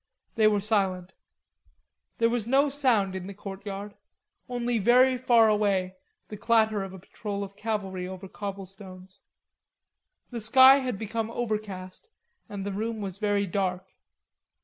They were silent. There was no sound in the courtyard, only very far away the clatter of a patrol of cavalry over cobblestones. The sky had become overcast and the room was very dark.